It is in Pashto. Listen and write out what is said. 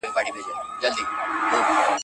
چي تر څو وطن ځنګل وي، د لېوانو حکومت وي